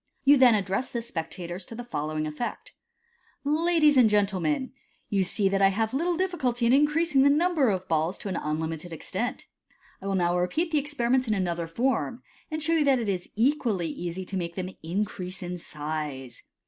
You then address the spectators to the following effect :—" Ladies and gentle men, you see that I have little difficulty in increasing the number of the balls to an unlimited extent. I will now rvueat the experiment in another form, and show you that it is equal lv easy to make them increase in size.